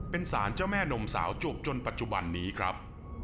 เป็นสารเจ้าแม่นมสาวจวบจนปัจจุบันนี้ครับ